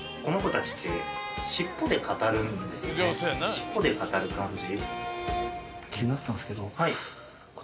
尻尾で語る感じ。